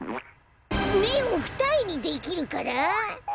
めをふたえにできるから？